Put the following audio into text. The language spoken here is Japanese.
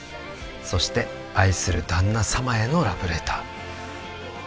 「そして愛する旦那様へのラブレター」